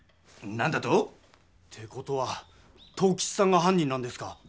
なんだと⁉って事は藤吉さんがはん人なんですか？